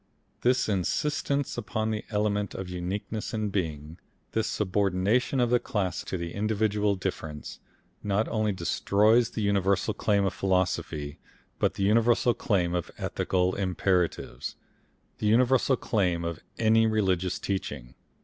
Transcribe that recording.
This insistence upon the element of uniqueness in being, this subordination of the class to the individual difference, not only destroys the universal claim of philosophy, but the universal claim of ethical imperatives, the universal claim of any religious teaching.